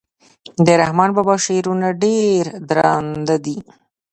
د رحمان بابا شعرونه ډير درانده دي.